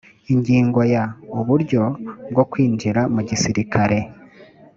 ingingo ya uburyo bwo kwinjira mu gisirikare